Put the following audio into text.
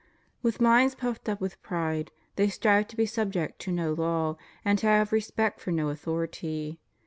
With minds puffed up with pride, they strive to be subject to no law and to have respect for no authority.